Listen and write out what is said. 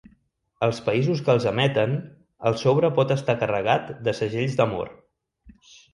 Als països que els emeten, el sobre pot estar carregat de segells d'amor.